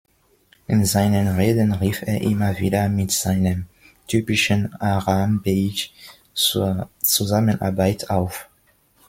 In seinen Reden rief er immer wieder mit seinem typischen „Haaa-ramm-beiij“ zur Zusammenarbeit auf.